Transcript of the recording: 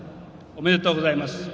おめでとうございます。